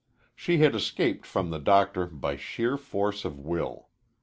She had escaped from the doctor by sheer force of will.